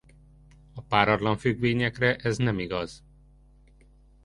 A páratlan függvényekre ez nem igaz.